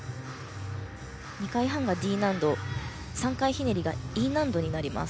２回半がＤ難度３回ひねりがＥ難度になります。